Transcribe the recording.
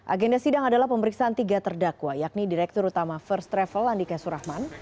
agenda sidang adalah pemeriksaan tiga terdakwa yakni direktur utama first travel andika surahman